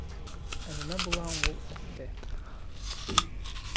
— Ә нимә була һуң ул әҫпе?